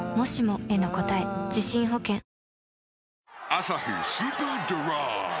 「アサヒスーパードライ」